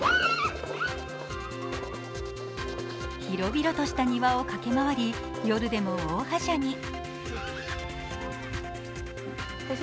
広々とした庭を駆け回り夜でも大はしゃぎ。